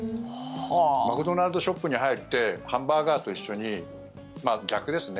マクドナルドショップに入ってハンバーガーと一緒にまあ逆ですね。